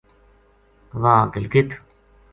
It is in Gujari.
وہ گلگت